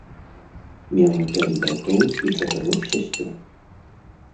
Мела пяць братоў і чатырох сясцёр.